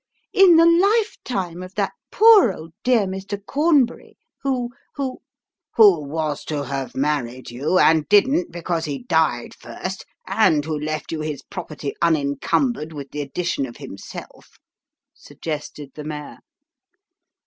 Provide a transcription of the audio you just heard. In the lifetime of that poor old dear, Mr. Cornberry, who who " "Who was to have married you, and didn't, because he died first; and who left you his property unencumbered with the addition of himself," suggested the mayor.